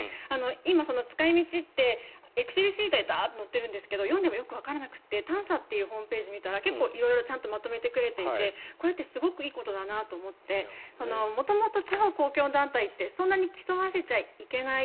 今、使い道ってエクセルシートにダーッと載ってるんですけど読んでもよくわからなくてＴａｎｓａというホームページを見たら、まとめてくれていてこれはすごくいいことだと思っていて元々、地方公共団体ってそんなに競わせちゃいけない。